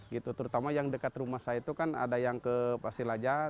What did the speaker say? gitu terutama yang dekat rumah saya itu kan ada yang ke pasir aja